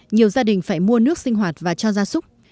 nhiều gia đình phải mua nước sinh hoạt và cho gia súc